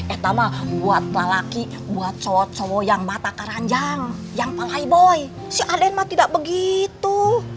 eh tamah buat lelaki buat cowok cowok yang mata karanjang yang pelai boy si ade ma tidak begitu